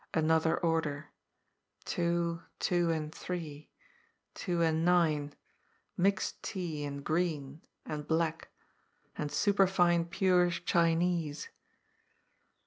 Another order. Two, two and three, two and nine. Mixed tea, and green, and black. And superfine pure Chinese.